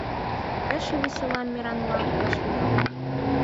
Эше весела «мераҥ-влак» вашлиялтыт.